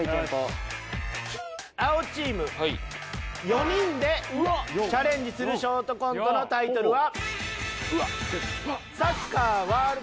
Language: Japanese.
青チーム４人でチャレンジするショートコントのタイトルは。